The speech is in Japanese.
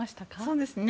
そうですね。